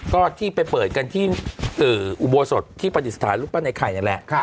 ก็ที่ไปเปิดกันที่อุโบสถที่ปฏิสถานรูปปั้นไอ้ไข่นั่นแหละ